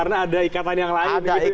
karena ada ikatan yang lain